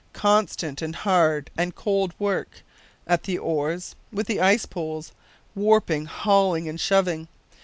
Constant, and hard, and cold work at the oars, with the ice poles warping, hauling, and shoving.